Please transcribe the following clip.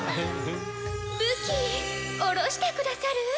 武器おろしてくださる？